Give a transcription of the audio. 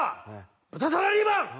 豚サラリーマン！